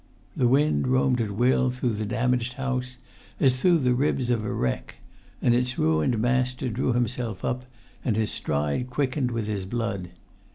The wind roamed at will through the damaged house as through the ribs of a wreck; and its ruined master drew himself up, and his stride quickened with his blood.